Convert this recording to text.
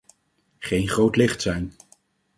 Geen groot licht zijn.